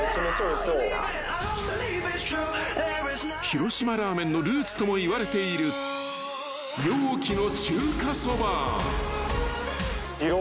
［広島ラーメンのルーツともいわれている陽気の］